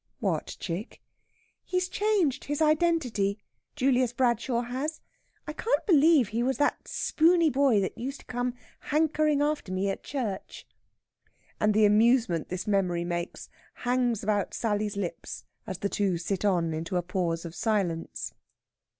"What, chick?" "He's changed his identity Julius Bradshaw has. I can't believe he was that spooney boy that used to come hankering after me at church." And the amusement this memory makes hangs about Sally's lips as the two sit on into a pause of silence.